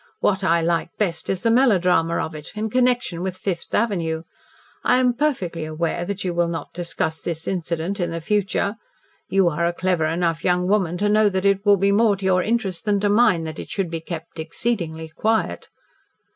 "What I like best is the melodrama of it in connection with Fifth Avenue. I am perfectly aware that you will not discuss this incident in the future. You are a clever enough young woman to know that it will be more to your interest than to mine that it shall be kept exceedingly quiet."